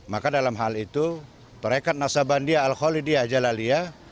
maka dalam hal itu tarekat naksabendi al holidya jalaliyah